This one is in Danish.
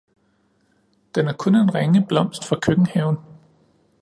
Den er kun en ringe blomst fra køkkenhaven